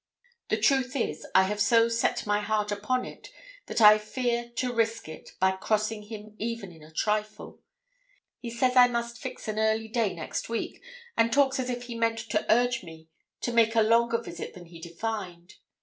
The truth is, I have so set my heart upon it that I fear to risk it by crossing him even in a trifle. He says I must fix an early day next week, and talks as if he meant to urge me to make a longer visit than he defined.